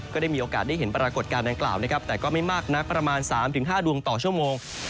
ก็ได้มีโอกาสได้เห็นปรากฏการณ์ดังกล่าวนะครับแต่ก็ไม่มากนักประมาณ๓๕ดวงต่อชั่วโมง